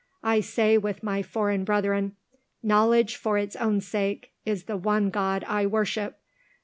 I say with my foreign brethren Knowledge for its own sake, is the one god I worship.